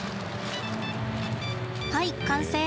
はい、完成！